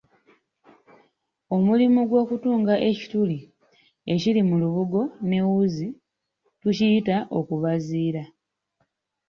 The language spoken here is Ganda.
Omulimu gw’okutunga ekituli ekiri mu lubugo n’ewuzi tukiyita kubaziira.